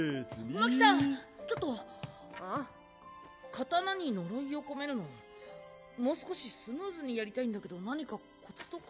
刀に呪いを込めるのもう少しスムーズにやりたいんだけど何かコツとか。